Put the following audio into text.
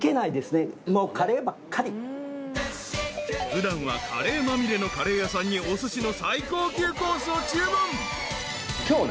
［普段はカレーまみれのカレー屋さんにおすしの最高級コースを注文］